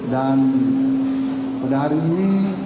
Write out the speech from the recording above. dan pada hari ini